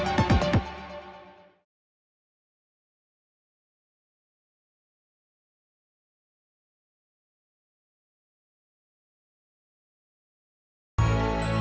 truk tiong plus